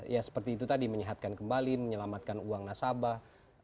ya seperti itu tadi menyehatkan kembali menyelamatkan uang nasabah